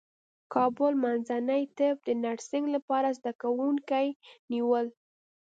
کابل منځني طب د نرسنګ لپاره زدکوونکي نیول